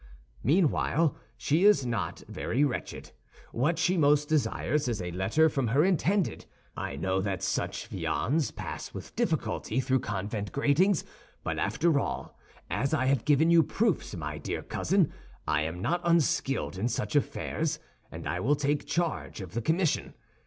Meanwhile, she is not very wretched; what she most desires is a letter from her intended. I know that such viands pass with difficulty through convent gratings; but after all, as I have given you proofs, my dear cousin, I am not unskilled in such affairs, and I will take charge of the commission.